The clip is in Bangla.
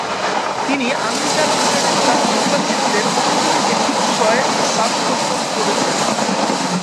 তিনি আমেরিকান ইন্টারন্যাশনাল ইউনিভার্সিটিতে প্রকৌশলীর একটি বিষয়ে স্নাতকোত্তর করছেন।